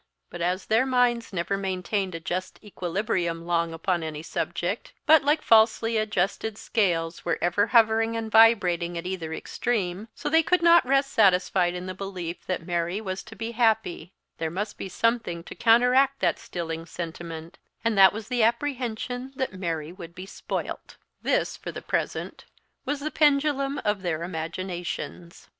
But as their minds never maintained a just equilibrium long upon any subject, but, like falsely adjusted scales, were ever hovering and vibrating at either extreme, so they could not rest satisfied in the belief that Mary was to be happy; there must be something to counteract that stilling sentiment; and that was the apprehension that Mary would be spoilt. This, for the present, was the pendulum of their imaginations.